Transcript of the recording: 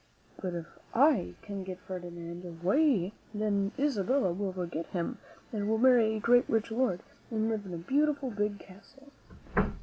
But if I can get Ferdinand away, then Isabella will forget him, and will marry a great, rich lord and live in a beautiful, big castle."